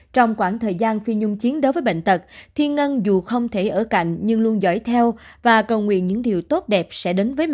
trong khoảng thời gian phi nhung chiến đấu với bệnh tật thiên ngân dù không thể ở cạnh nhưng luôn giỏi theo và cầu nguyện những điều tốt đẹp sẽ đến với mình